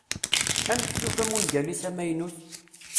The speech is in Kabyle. Amek tufam ungal-is amaynut?